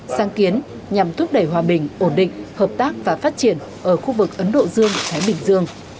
sáng kiến nhằm thúc đẩy hòa bình ổn định hợp tác và phát triển ở khu vực ấn độ dương thái bình dương